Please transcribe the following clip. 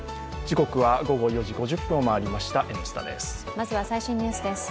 まずは最新ニュースです。